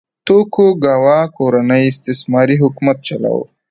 توکوګاوا کورنۍ استثماري حکومت چلاوه.